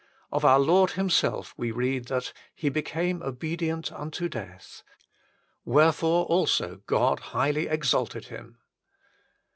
2 Of our Lord Himself we read that " He became obedient unto death. Wherefore also God highly exalted Him."